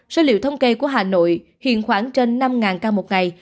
số liệu thống kê của hà nội hiện khoảng trên năm ca một ngày